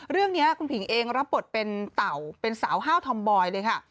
เรื่องนี้คุณผิงเองรับบทเป็นเต่าเป็นสาวห้าวทอมบอยเลยค่ะ